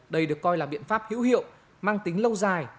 đây được coi là biện pháp hữu hiệu mang tính lâu dài